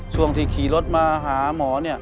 ช่วงที่ขี่รถมาหาหมอเนี่ย